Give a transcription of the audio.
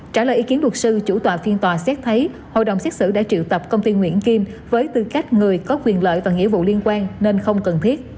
trả lời ý kiến luật sư chủ tòa phiên tòa xét thấy hội đồng xét xử đã triệu tập công ty nguyễn kim với tư cách người có quyền lợi và nghĩa vụ liên quan nên không cần thiết